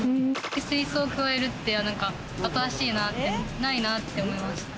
水槽を加えるっていうのは、新しいなって、ないなって思いました。